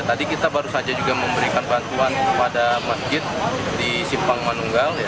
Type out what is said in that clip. tadi kita baru saja juga memberikan bantuan kepada masjid di simpang manunggal